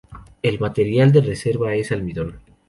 El material de reserva es almidón.